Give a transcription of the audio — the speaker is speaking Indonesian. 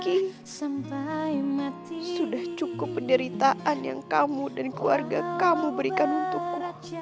ini sudah cukup penderitaan yang kamu dan keluarga kamu berikan untukku